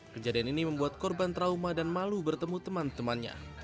kejadian ini membuat korban trauma dan malu bertemu teman temannya